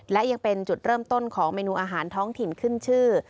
และยังเป็นจุดเริ่มต้นของเมนูอาหารท้องถิ่นขึ้นชื่อ